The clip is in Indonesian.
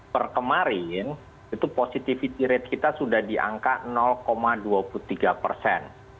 perkemarin itu positivity rate kita sudah diangkat dua puluh tiga persen